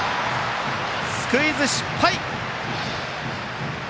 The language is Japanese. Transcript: スクイズ失敗！